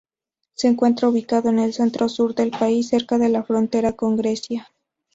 Se encuentra ubicado en el centro-sur del país, cerca de la frontera con Grecia.